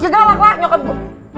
ya galak lah nyokap gue